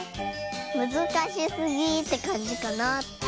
むずかしすぎってかんじかな。